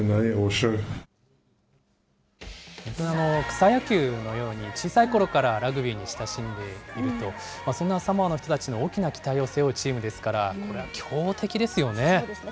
草野球のように、小さいころからラグビーに親しんでいると、そんなサモアの人たちの大きな期待を背負うチームですから、これそうですね。